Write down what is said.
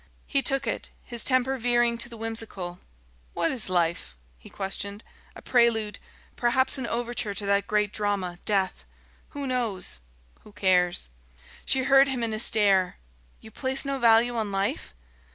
He took it, his temper veering to the whimsical. "What is life?" he questioned. "A prelude perhaps an overture to that great drama, Death. Who knows? Who cares?" She heard him in a stare. "You place no value on life?"